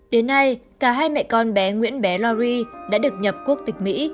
đến nay cả hai mẹ con bé nguyễn bé lori đã được nhập quốc tịch mỹ